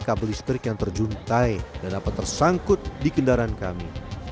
kabel listrik yang terjuntai dan dapat tersangkut di kendaraan kami